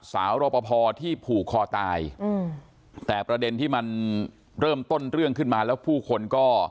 รอปภที่ผูกคอตายอืมแต่ประเด็นที่มันเริ่มต้นเรื่องขึ้นมาแล้วผู้คนก็